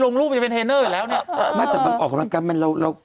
ลงรูปจะเป็นเทรนเนอร์อยู่แล้วเนี้ยเออไม่แต่ว่าออกกำลังการมันเราเรา